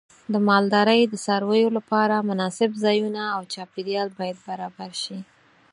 د مالدارۍ د څارویو لپاره مناسب ځایونه او چاپیریال باید برابر شي.